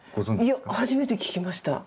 いや初めて聞きました。